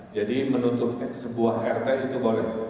jadi menutup sebuah rt itu boleh